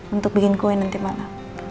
untuk bikin kue nanti malam